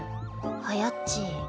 はやっち。